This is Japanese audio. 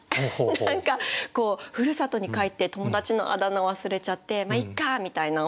何かふるさとに帰って友達のあだ名忘れちゃってまあいっかみたいな。